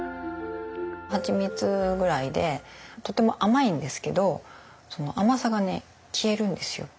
蜂蜜ぐらいでとても甘いんですけどその甘さが消えるんですよ。